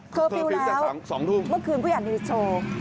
เคอร์ฟิลล์แล้วเมื่อคืนผู้หญันมีโชว์